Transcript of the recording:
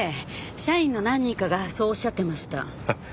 社員の何人かがそうおっしゃってました。